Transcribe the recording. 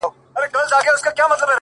پرون مي ستا په ياد كي شپه رڼه كړه؛